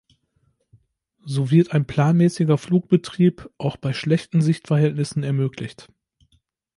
So wird ein planmäßiger Flugbetrieb auch bei schlechten Sichtverhältnissen ermöglicht.